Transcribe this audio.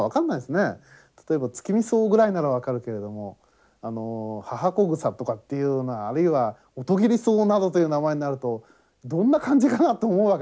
例えばツキミソウぐらいなら分かるけれどもハハコグサとかっていうようなあるいはオトギリソウなどという名前になるとどんな漢字かなと思うわけですよね。